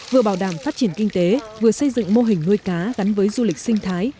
vừa bảo đảm phát triển kinh tế vừa xây dựng mô hình nuôi cá gắn với du lịch sinh thái